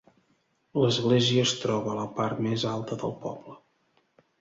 L'església es troba a la part més alta del poble.